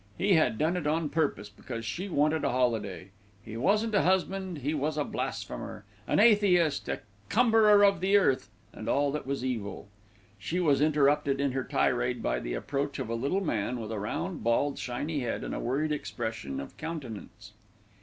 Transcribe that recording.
He had done it on purpose because she wanted a holiday. He wasn't a husband, he was a blasphemer, an atheist, a cumberer of the earth, and all that was evil. She was interrupted in her tirade by the approach of a little man with a round, bald, shiny head and a worried expression of countenance.